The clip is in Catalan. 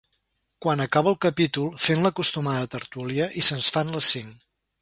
Quan acaba el capítol fem l'acostumada tertúlia i se'ns fan les cinc.